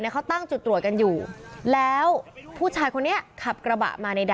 มีกล้วยติดอยู่ใต้ท้องเดี๋ยวพี่ขอบคุณ